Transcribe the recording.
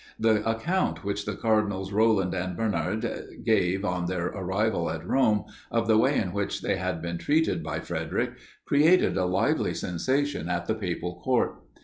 The account which the cardinals Roland and Bernard gave, on their arrival at Rome, of the way in which they had been treated by Frederic, created a lively sensation at the papal court.